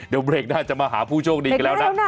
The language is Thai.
เดี๋ยวเบรกหน้าจะมาหาผู้โชคดีกันแล้วนะ